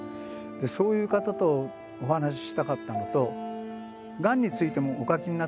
そういう方とお話ししたかったのとがんについてもお書きになってるんですよ。